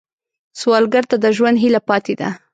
سوالګر ته د ژوند هیله پاتې ده